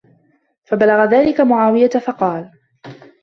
فَبَلَغَ ذَلِكَ مُعَاوِيَةَ فَقَالَ